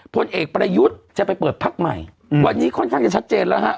พลเอกประยุทธ์จะไปเปิดพักใหม่วันนี้ค่อนข้างจะชัดเจนแล้วฮะ